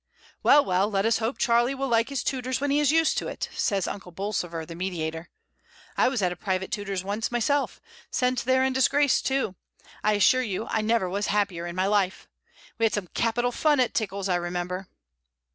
"Well, well, let us hope Charles will like his 22 MRS. DYMOND. tutors when he is used to it," says Uncle Bolsover the mediator. "I was at a private tutor's once my self; sent there in disgrace, too. I assure you I never was happier in my life. We had some capital fun at Tickle's, I remember."